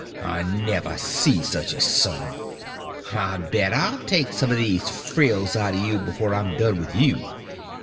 I never see such a son. I bet I'll take some o' these frills out o' you before I'm done with you.